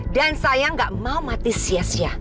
dan saya gak mau mati sia sia